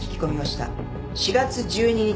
４月１２日日曜。